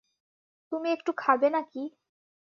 তুমি একটু খাবে নাকি?